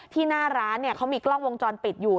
หน้าร้านเขามีกล้องวงจรปิดอยู่